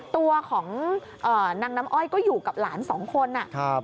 ตัวของนางน้ำอ้อยก็อยู่กับหลาน๒คน